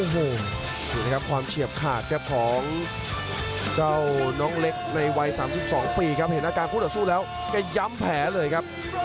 เห็นไหมครับความเฉียบขาดแก่ของเจ้าน้องเล็กในวัย๓๒ปีครับเห็นอาการคุดสู้แล้วกระยำแผลเลยครับ